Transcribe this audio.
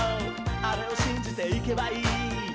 あれをしんじていけばいい」